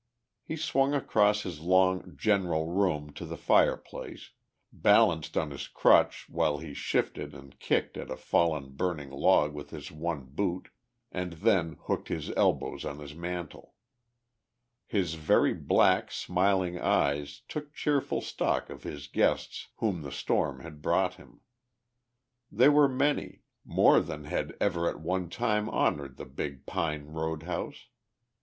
He swung across his long "general room" to the fireplace, balanced on his crutch while he shifted and kicked at a fallen burning log with his one boot, and then hooked his elbows on his mantel. His very black, smiling eyes took cheerful stock of his guests whom the storm had brought him. They were many, more than had ever at one time honoured the Big Pine road house.